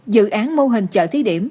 dự án mô hình chợ thi điểm